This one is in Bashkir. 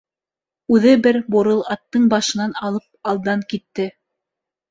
Үҙе бер бурыл аттың башынан алып алдан китте.